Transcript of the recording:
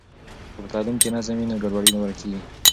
که په تعلیم کې نظم وي نو ګډوډي ورکیږي.